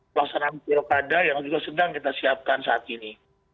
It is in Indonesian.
pelaksanaan pilkada yang juga sedang kita siapkan saat ini